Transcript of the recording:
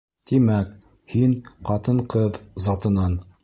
Тимәк, һин ҡатын-ҡыҙ затынан.